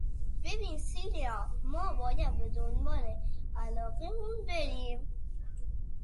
ببین سیلیا، ما باید به دنبال علایقمون بریم.